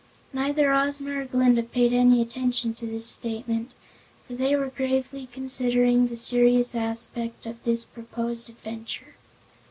Neither Ozma nor Glinda paid any attention to this statement, for they were gravely considering the serious aspect of this proposed adventure.